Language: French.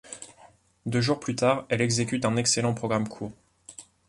Deux jours plus tard, elle exécute un excellent programme court.